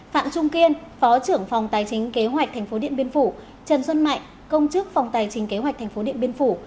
phạm trung kiên phó trưởng phòng tài chính kế hoạch tp điện biên phủ trần xuân mạnh công chức phòng tài chính kế hoạch tp điện biên phủ